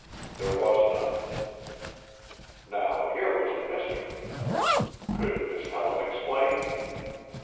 There was none. Now, here was a mystery! Could Miss Helen explain?